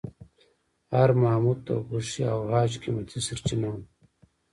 هر ماموت د غوښې او عاج قیمتي سرچینه وه.